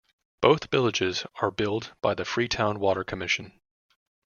Both villages are billed by the Freetown Water Commission.